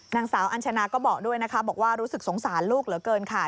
นางสาวอัญชนาก็บอกด้วยนะคะบอกว่ารู้สึกสงสารลูกเหลือเกินค่ะ